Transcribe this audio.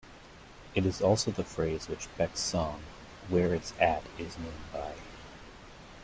It is also the phrase which Beck's song, "Where It's At" is known by.